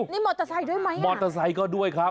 นี่มอเตอร์ไซค์ด้วยไหมมอเตอร์ไซค์ก็ด้วยครับ